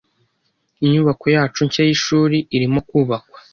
Inyubako yacu nshya yishuri irimo kubakwa.